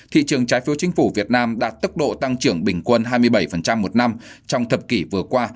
thị trường trái phiếu chính phủ việt nam đạt tốc độ tăng trưởng bình quân hai mươi bảy một năm trong thập kỷ vừa qua